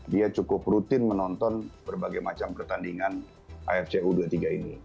dia cukup rutin menonton berbagai macam pertandingan afc u dua puluh tiga ini